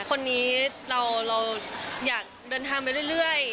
คนนี้เราอยากเดินทางไปเรื่อย